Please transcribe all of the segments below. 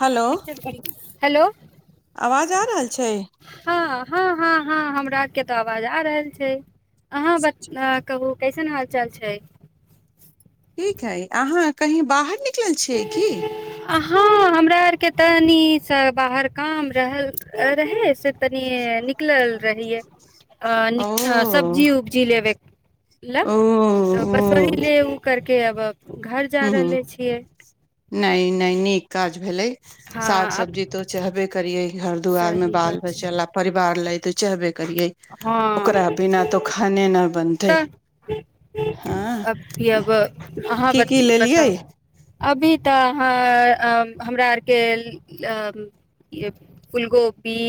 Hello [inaudible] hello आवाज आ रहल छैय हाॅं हाॅं हाॅं हाॅं हमरा के तऽ आवाज आ रहल छैय अहाँ बताब कहु कैसन हाल चाल छैय ठीक हइ अहाँ कही बाहर निकलल छीयैय की हाँ हमरा आर के तनिसँ बाहर काम रहल रहे से तनी निकलल रहिये ओ आ सब्जियों उ जी लेब ल ओ ओ तऽ [inaudible] करके अब घर जा रहले छिए नैय नैय नीक काज भेलैय साग हँ अब सब्जी तो चहबे करियै घर दुआर में सही बाल बात छै बच्चा ला परिवार लऽ तऽ चाहबे करियैए हँ ओकरा बिना तो खाने नैय बनतै हाॅं य अब अहाँ बताऊ अभी तऽ अहाँ हमरा आरके ये फूलगोबी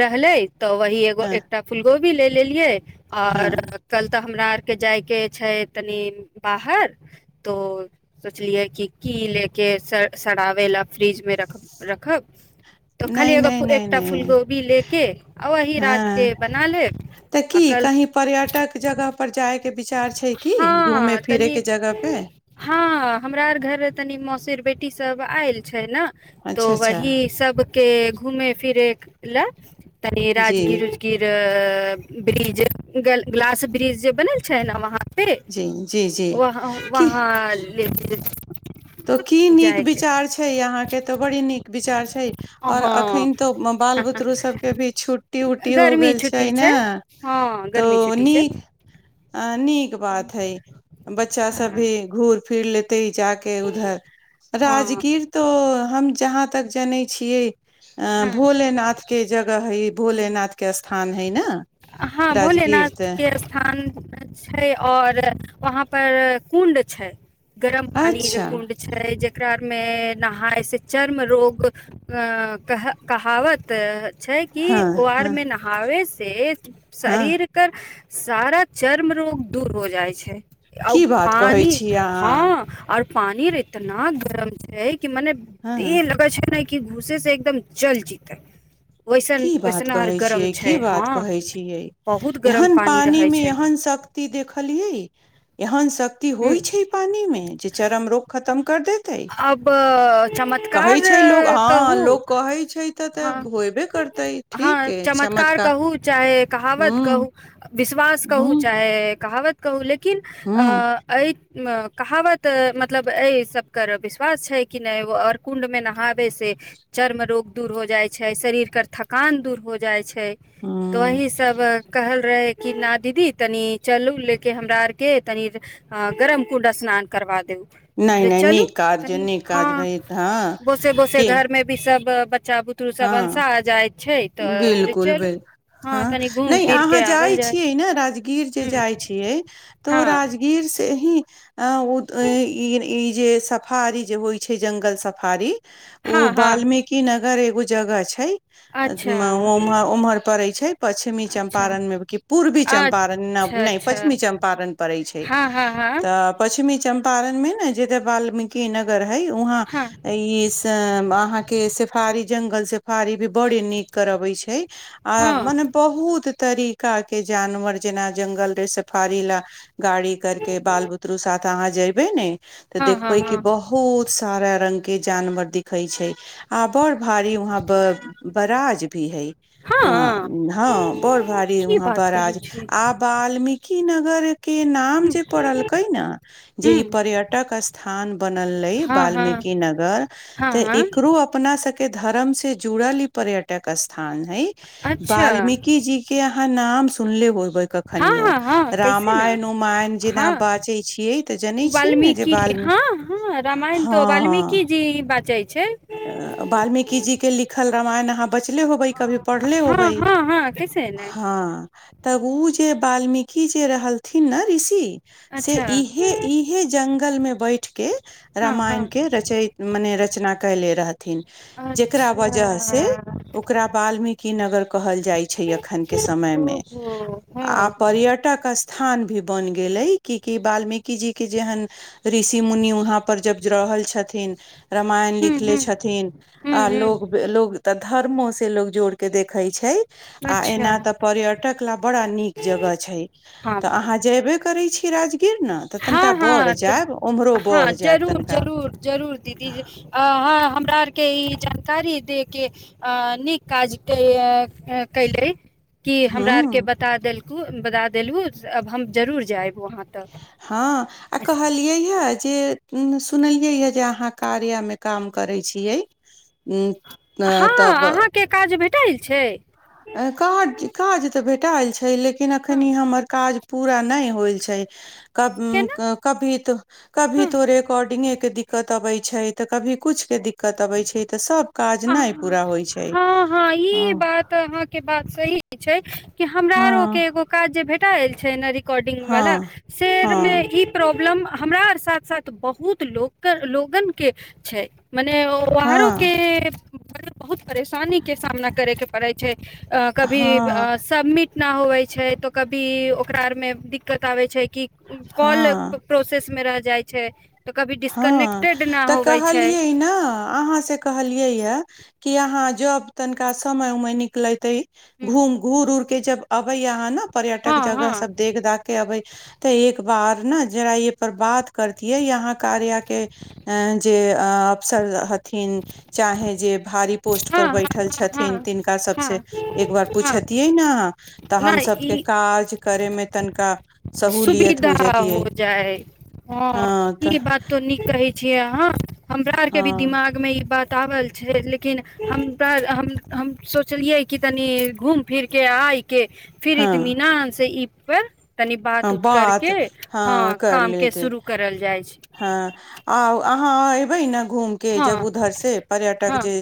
रहलैय तऽ वही एगो हँ एकटा फूलगोभी ले लेलियए [inaudible] हँ कल तऽ हमरा आर के जायके छैय तनी बाहर तो सोचलियै कि की लेके सराबैय लए फ्रिजमें रख रखब त खाली नहि नहि एगो नहि एकटा फूल नहि गोभी लेके आ अही रात हँ के बना लेब तऽ की कल कहीं पर्यटक जगह पर जाय के विचार छै की घूमे हँ फिरे तनी के जगह पे। हँ हमरा आर घर तनी मौसीर बेटी सब आयल छैय ना अच्छा तो अच्छा वही सबके घूमे फिरे लए तनी जी राजगीर किर ब्रिज ग्लास ब्रिज जे बनल छै ने वहाॅं वे जी जी जी वहाँ ले [inaudible] तॅं की नीक जायके विचार छै अहाँ के त बड़ी नीक विचार छैय आओर हँ एखन तो बाल बुतरू सभके भी छुट्टी उट्टी हो गेल छैय न हाॅं गर्मी छुट्टी छैय अ नीक बात है बच्चा सब भी घूर फिर लेते जाक के उधर हँ राजगीर तो हम जहाँ तक जनैय छियैय अ हँ भोलेनाथके जगह हइ भोलेनाथ के स्थान हइ न हाॅं भोले नाथ के स स्थान छैय और वहाँ पर कुण्ड छैय गरम पानी र अच्छा कुण्ड छै जकरा मे नहाय से चर्म रोग [unintelligible] क कहावत छै कि हँ ओर हँ मे नहाबे से हँ शरीर एक सारा चर्म रोग दूर हो जाइ छै आउ की बात कहै पानी छियै हँ अहाँ आर पानी अर इतना गरम छै कि मने हँ लगै छै ने कि घूसे से एकदम जल जीतै वैसन की बात वैसन हर कहै गरम छियै की छै बात हँ कहै बहुत गरम एहन पानी रहै मे छै यहन शक्त। देखलियै एहन शक्ति ह होइ छै। पानी मे जे चरम रोग खतम कर देते अब चमत कह हँ लोग कहै छै तऽ तऽ ह होयबे करतै ठीक ह अइ चमकार चमत्कार कहुँ चाहे कहावत कहू हुँ विश्वास कहू हुँ चाहे कहावत कहू लेकिन अ हुँ एहि कहावत मतलब एहि सभ कर विश्वास छै कि नहि ओ आओर कुंड मे नहाबै से। चर मे रोग दूर हो जाय छै शरीर के थकान दूर हो जाई छै। हुँ वही सभ कहल रहे। कि नहि दीदी तनि चलू लेके हमरा आरके तनि आ गरम कूडा स्नान करा देउ। नहि नहि न क आज निकाज भाई तऽ हँ क। सभ बच्चा बुतरु सभ अंसा जाइत छै तऽ चलू। ह हँ कनि घूम नहि फिर के अहाँ आवल जाई जाय छियै ने राजगीर जे ह जाय छियै तऽ ओ हँ राजगी। गर से ही आ ई ई जे। सफारी जे होई छै जंगल सफारी ओ हँ हँ वाल्मीकि नगर एगो जगह छै। अच्छा उमहर उम्हर पड़े छै पश्चिमी अच्छा चम्पारण मे क पूर्वी चंम्पारण अच्छा नहि। अच्छा पश्चिमी चम्पारण पड़ै छै हँ हँ हँ त पश्चिमी चम्पारण मे ने जेत वाल्मीकि नगर हई वहाँ। हँ ई अहाँकेँ सफारी जंगल सेफारी भी बड़ नीक करबै छै। आ हँ मने बहुत तरीका के जानवर जेना जंगल सपारी लाब। गाड़ी करके बाल बुतरु साथ अहाँ जेबे ने ते हँ हँ देखबे कऽ बहुत। बहुत सारा रंगग के जानवर दिखई छै आ बड भारी वहाँ पर बराज भी है। हँ वहाँ हँ ह बर भारी की वहाँ बात कहै बराज छै आब। वाल्मीकि नगर के नाम जे पड़लकै न। जे ई ह पर्यटक स्थान बनल रहै हँ हँ वाल्मीकि नगर हँ तऽ हँ एकरो। अपना सभके धर्म से जुड़ल ई पर्यटक स्थान है अच्छा वाल्मीकि जी। के अहाँ नाम सुन लेबक हँ कखनियो हँ हँ कैसे ने रामायण उमायन जेना हँ बचै छियै तऽ जनै छियै ने जे बाल मे। ह रामायण तो वाल्मीकि जी बाजै छै। वाल्मीकि जी के लिखल रामायण अहाँ बचले होबै कभी पढ़ले होबै हँ हँ हँ कैसे नहि ह तब ओ जे बाल्मीकि जे रहलथिन ने ऋषि से अच्छा इ हे इ। इहे जंगल मे बैठ के हँ हँ रामायण के रचे मने रचना कले रहथि। थिन जेकरा वजह से अच्छा ओकरा बाल्मीकि कि नगर कहल जाइ छै अखन के समय मे ओहो हँ आ हूँ पर्यटक स स्थान भी बनि गेलै कि कि वाल्मीकि जी के जेहन। ऋषि मुनि वहा पर जब रहल छथिन रामायण। हूँ सिखले छथिन हूँ आ हूँ लोग लोग तऽ धर्मो से लोग जोड़ कऽ देखै छै। आ अच्छा एना तऽ पर्यटक बाद निक जगह छैय हँ जेबे करै छी राजगीर न हँ तऽ हँ जायब जरूर तनिका जरूर जरूर दीदी। आ हमरा आरके ई जानकारी दे के। अ निक काज कहिल। क हमरा आरके हूँ बता देलकू बता देलहु आब हम जरूर जायब वहाँ तक। हँ आ कहलियै हेअछि जे सुनलियै आय जे अहाँ कार्यमे काम करैत छियैक हँ अहाँके काज भेटल छैय काज काज तऽ भेटायल छै लेकिन एखन हँ ई हमर काज। पूरा नहि होल छै केना कभी तऽ। कभी हँ तो रिकॉर्डिंगे के दिक्कत अबैत छै तऽ कभी कुछ के दिक्कत अबैत छै तऽ सभ। आ हँ हँ ई बात। हाँ के बात सही छै कि हमरा आरो के हँ एगो काज भेटा एल छै। ॉर्डिंग वला हँ शेरमे हँ ई। प्रॉब्लम हमरा आ साथ साथ बहुत लोक लोगन के छै। मने वाहरो के हँ बहुत परेशानी के सामना करे के पड़े छै। अ कभी हँ सबमिट। तना होबै छै तऽ कभी ओकरा आरमे दिक्कत आबै छै कि कॉल। हँ प्रोसेसमे रहि जाइ छै तऽ कभी डिस्कनेक्टेड नहि होबै छै। नहि। अहााँ से कहलियै या कि अहाँ जब तनिका समय उमय निकलते। घूम घूर उर के जब अबै अहाँ ने हँ पर्यटक जगह हँ सब देख देख के अबै। ते एक बार ने जेरा य पर बात करतििये यहाँ। कार्य के जे अबसर हतिन चाहे जे। पोस्ट हँ पर बैठल हँ छथिन हँ तिनका हँ सबसँ एक बार हँ पुछतिियै ने अ। तऽ नहि ई हमसभके काज करयमे तनिका। सहूलियत सुविधा जतियै हो जाइ हँ ई बात। तो नीक छियै अहाँ हमरा आर के भी हँ दिमाग में ई बात। टाावल छै लेकिन हमरा हम हम सोचलियै कि तनी घूमि फिरके आइ। के फिर हँ इतमीना से ई पर तनि हँ ब। ू कर बात के हँ कर काम के लेते शुरू करल जायत हँ आ अहाँ एबै ने घूम। के हँ जब उधर से पर्यटक हँ जे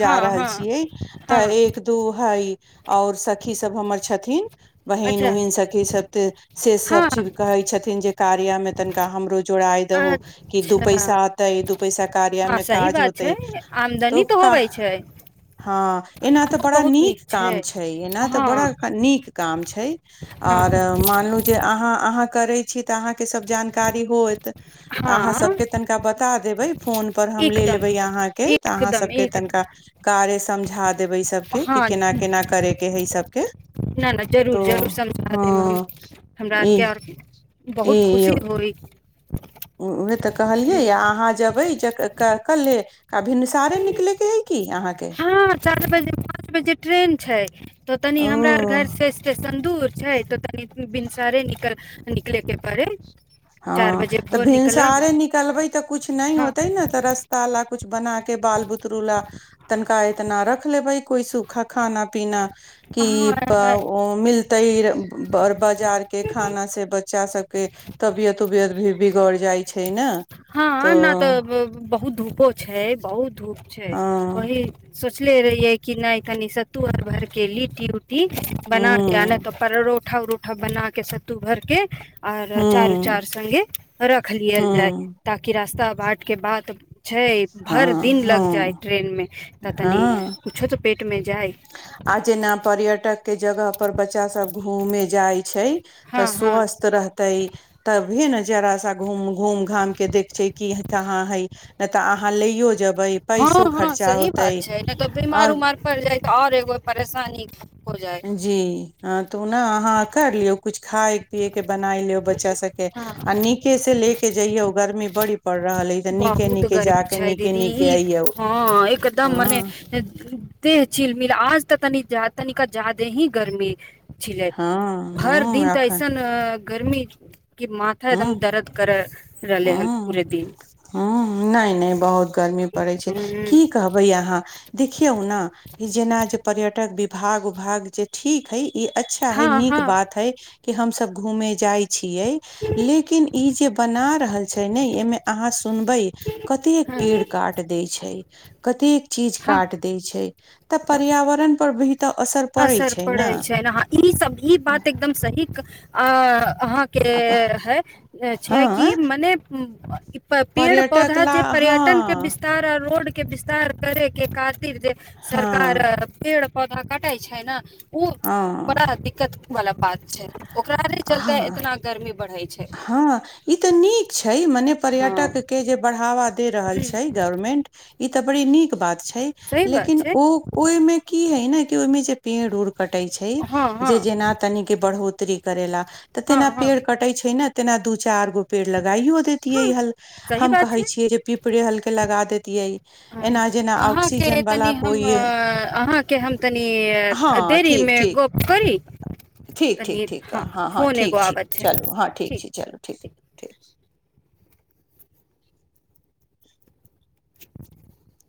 जा हँ रहल हँ छियै तऽ हँ एक। दू हई और सखी सब हमर छथिन बहिन अच्छा उहिन सखी सब त। से सब हँ चीज कहै छथिन जे कार्य मे तनिका हमरो। जोड़ााय दहू कि दू पैसा अच्छा आतै दू पैसा कार्य हँ मे सही काज बात छै होतै। तो आमदनी तऽ का होबै छै। हँ आ एना तऽ कामो बड़ा बहुत नीक काम छै एना तऽ हँ बड़ा। निक काम छै ऑर हँ मानु अह केर छि। अहके सब जानकारी होत तऽ अहाँ हँ सबके तन बता देबै। फोन पर हम ले एकदम लेबै अहाँके तऽ अहाँ एकदम सबके एकदम तनिका। कार्य समझा देबै ई सबके कि केना केना करे के है सब। न नहि जरूर जरूर समझा देब हम। हँ हमरा ई आरके आओर बहुत खुशी होइ। उएह तऽ कहलियै हूँ अहाँ जेबै ज। कले कभिन्ुसारे निकले के है की अहाँके। हँ चार बजे पाँच बजे ट्रेन छै तो तनी हमरा आर ओ घर से स्टेशन दूर। छै तऽ तनी भिनसारे निकल निकलेके पड़े। हँ तऽ भिनसरे निकलबै तऽ कछु नय हँ होते ने तऽ रस ता ला कुछ बना के बाल बुतरू ला तनखाह तऽ न रख ले भै कोइ सूखा खाना पीना कि प हँ ओ मिलत तैर बर बाजार के खाना से बच्चा सबके तबियत उबियत भी बिगड़ जाइ छै ने हँ न तऽ बहुत धूपो छै बहुत धूप छै हँ वहि सेच पुछले रहियै कि नइ तनि सत्तू हर भरके लिट्टी उट्टी ह बनााके आन तऽ परोठा उरोठा बनाके सत्तू भरिके आओर ह अचार उचार ह संगे ख लियल जाय ताकि रास्ता बाट के बाद छै भइर हँ दिन लग जाइ हँ ट्रेनमे तऽ तनि हँ कुछो तऽ पेटमे जाइ आ जेना पर्यटक के जगह पर बच्चा सब घूमे जाय छै तऽ हँ हँ स्वस्थ रह ते तभीे ने जड़ सा घूम घूम घाम के देख छै कि कहाँ है नइ तऽ अहाँ लैयो जेबै हँ पैसो हँ खर्चा सही होतै बात छै ने तऽ बीमार आओर उमार पड़ जाय छै ओर एगो परेशानी हो जा जी ह तू ने अहाँ कर लिऔ कुछ खाय पिय के बनाय लिओ बच्चा सबके आ नीके से ले के जइयौ गर्मी बड़ी पड़ रहल अइ तऽ नीके बहुत नीके गर्मी जाके छै नीके दीदी नीके अइयौ हँ एकदम मने हँ दे चिलमिल आज तऽ तनी तनीका जादे ही गर्मी छिलै हँ हर दिन हँ तऽ एखन अऐसन गर्मी कि माथा एकदम दर्द करै रहले हन ह पूरे दिन नइ नइ बहुत गर्मी पड़ै छै हूँ की कहबै अहाँ देखियऔ ने जेना जे पर्यटक विभाग उभाग जे ठीक है इ अच्छा है हँ नीक हँ बात है कि हम सब घूमे जाय छीये लेकिन ई जे बना रहल छै ने एहिमे अहाँ सुनबै कतेक हँ पेड़ क काट दै छैय कतेक चीज काट हँ दै छै तऽ पर्यावरण पर भी तऽ असर पड़ै असर छै ने पड़ल छै ह ई सब ई बात एकदम सही अ अहाँ के आ प है छै कि हँ मने पेड़ पर्यटक पौधा ला जे हँ पर्यटन के विस तारा रोड के विस्तार करे के खातिर सरकार हँ पेड़ पौधा काट कटै छै ने ओ बड़ा हँ दिक्कत वाला बात छै ओकरा ये चलते हँ इतना गर्मी बढ़ैत छै हँ ई तऽ नीक छै मने हँ पर्यटक के जे बढ़ावा दे रहल छै गवर्मेंट ई तऽ बड़ी नीक बात छै सही बात लेकिन छै ओ ओहि मे की है न कि ओहिमे जे पेड़ उड़ कटे छै हँ हँ जे जेना तन के बढ़ोतरी करेेला तऽ हँ तेना हँ पेड़ कटे छै ने तेना दू चार गो पेड़ लगाइयो दे तिय हँ हल सही हम बात कहे छै छियै जे पीपरे हल के लगा देतियै हँ एनाज अहाँके तनि हम अहाँके हम तनि हँ ठीक देरीमे ठीक गप करी ठीक ठीक तनि ठीक हँ हँ हँ फोन एगो ठीक छी आबऽ छै चलू हँ ठीक छी चलू ठीक ठीक [inaudible]